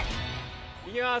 行きます。